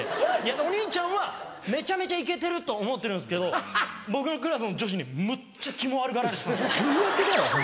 お兄ちゃんはめちゃめちゃイケてると思ってるんですけど僕のクラスの女子にむっちゃキモ悪がられてたんですよ。